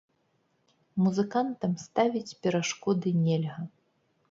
Музыкантам ставіць перашкоды нельга.